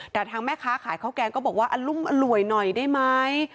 แต่ทางแม่ค้าขายข้าวแกงก็บอกว่าอรุมอร่วยหน่อยได้ไหม